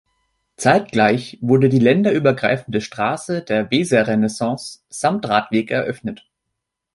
Zeitgleich wurde die länderübergreifende Straße der Weserrenaissance samt Radweg eröffnet.